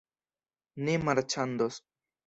Ni marĉandos.